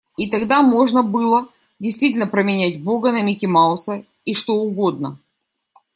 И тогда можно было действительно променять Бога на Микки Мауса и что угодно.